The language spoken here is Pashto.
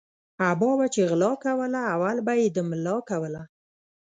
ابا به چی غلا کوله اول به یی د ملا کوله